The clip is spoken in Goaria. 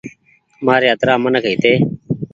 مآري اترآ منک هيتي